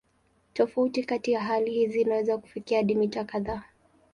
Tofauti kati ya hali hizi inaweza kufikia hadi mita kadhaa.